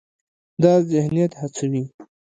دا ذهنیت هڅوي،